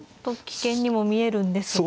危険にも見えるんですが。